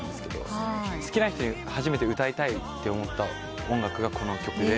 好きな人に初めて歌いたいって思った音楽がこの曲で。